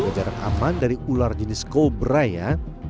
jangan jarang aman dari ular jenis cobra ya